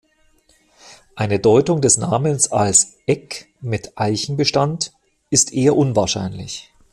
Eine Deutung des Namens als "Eck mit Eichenbestand" ist eher unwahrscheinlich.